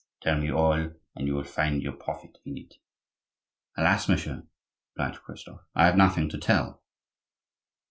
Tell me all; and you will find your profit in it." "Alas, monsieur," replied Christophe; "I have nothing to tell.